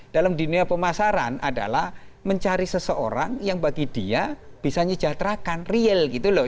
dalam dunia pemasaran adalah mencari seseorang yang bagi dia bisa menyejahterakan real gitu loh